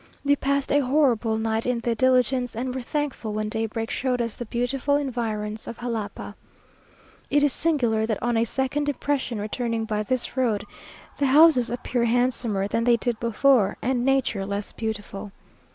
We passed a horrible night in the diligence, and were thankful when daybreak showed us the beautiful environs of Jalapa. It is singular that on a second impression, returning by this road, the houses appear handsomer than they did before, and nature less beautiful.